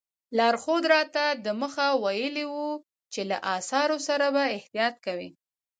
لارښود راته دمخه ویلي وو چې له اثارو سره به احتیاط کوئ.